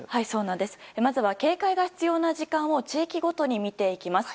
まずは警戒が必要な時間を地域ごとに見ていきます。